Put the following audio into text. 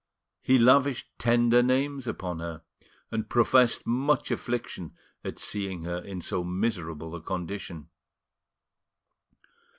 He lavished tender names upon her, and professed much affliction at seeing her in so miserable a condition.